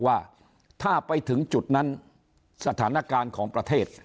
ว่าถ้าไปถึงจุดนั้นสถานการณ์ของประเทศ